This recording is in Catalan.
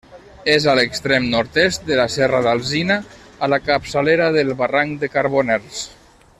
És a l'extrem nord-est de la Serra d'Alzina, a la capçalera del barranc de Carboners.